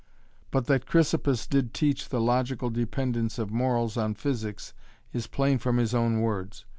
But that Chrysippus did teach the logical dependence of morals on physics is plain from his own words.